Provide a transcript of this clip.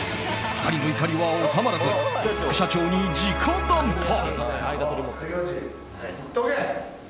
２人の怒りは収まらず副社長に直談判。